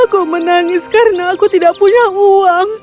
aku menangis karena aku tidak punya uang